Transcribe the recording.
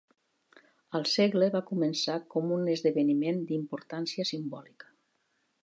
El segle va començar com un esdeveniment d'importància simbòlica.